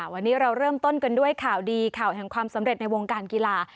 วันนี้เราเริ่มต้นกันด้วยข่าวดีข่าวแห่งความสำเร็จในวงการกีฬา